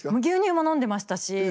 牛乳も飲んでましたし。